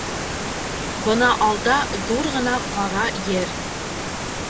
Бына алда ҙур ғына ҡара ер.